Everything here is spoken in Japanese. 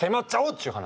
っちゅう話。